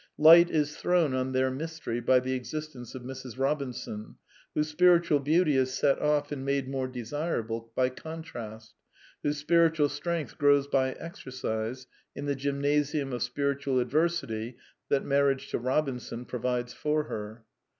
Light is thrown on their mystery by the existence of Mrs. Bobinson, whose spir itual beauty is set off and made more desirable by con trast, whose spiritual strength grows by exercise in the gymnasium of spiritual adversity that marriage to Bobin son provides for her.